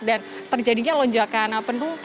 dan terjadinya lonjakan penumpang yang akan masih diprediksi